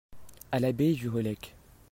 À l'abbaye du Relecq.